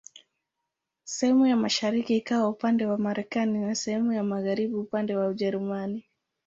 Sehemu ya mashariki ikawa upande wa Marekani na sehemu ya magharibi upande wa Ujerumani.